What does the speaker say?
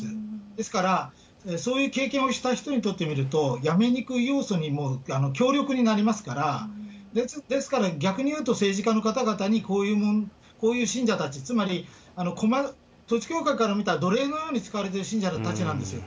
ですから、そういう経験をした人にとってみるとやめにくい要素に、強力になりますから、ですから、逆に言うと政治家の方にこういう信者たち、つまり、統一教会から見たら、奴隷のように使われてる信者たちなんですよ。